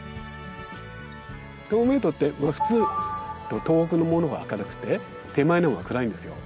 透明度って普通遠くのものが明るくて手前のほうが暗いんですよ。